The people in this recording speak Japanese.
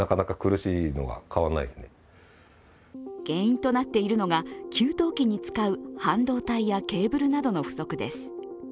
原因となっているのが給湯器に使う半導体やケーブルなどの不足です。